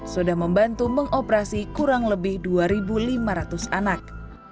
sudah membantu mengoperasi kurang lebih dua lima ratus anak